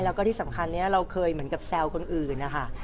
แล้วก็ที่สำคัญนี้เราเคยเหมือนกับแซวคนอื่นนะคะ